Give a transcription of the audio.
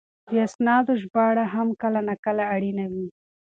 د اسنادو ژباړه هم کله ناکله اړینه وي.